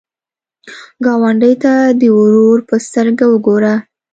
ګاونډي ته د ورور په سترګه وګوره